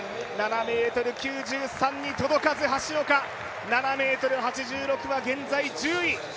７ｍ９３に届かず、橋岡、７ｍ８６は現在１０位。